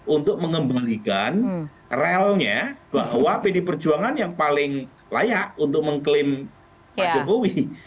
untuk mengembalikan relnya bahwa pdi perjuangan yang paling layak untuk mengklaim pak jokowi